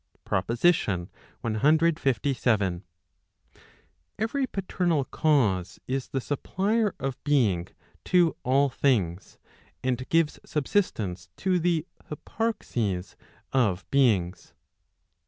'] PROPOSITION CLVII. Every paternal cause is the supplier of being to all things, and gives subsistence to the hyparxes of beings.